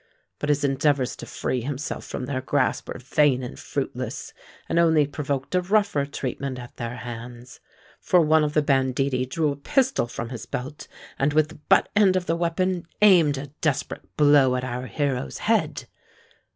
But his endeavours to free himself from their grasp were vain and fruitless, and only provoked a rougher treatment at their hands; for one of the banditti drew a pistol from his belt, and with the butt end of the weapon aimed a desperate blow at our hero's head.